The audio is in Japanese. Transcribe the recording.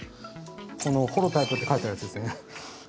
このホロタイプって書いてあるやつですね。